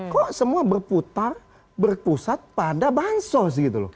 kok semua berputar berpusat pada bansos gitu loh